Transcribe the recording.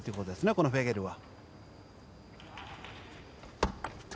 このフェゲルは。